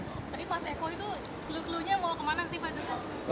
tapi pas eko itu klunya mau kemana sih pak